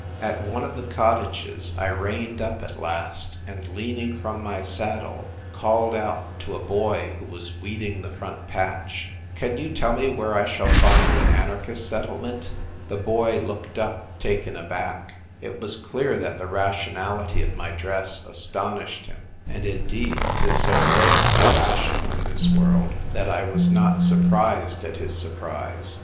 At one of the cottages I reined up at last, and, leaning from my saddle, called out to a boy who was weeding the front patch :" Can you tell me where I shall find the anarchist settlement ?" The boy looked up, taken aback It was clear that the rationality of my dress as tonished him. And, indeed, 'tis so rare to be rational in this world that I was not surprised at his surprise.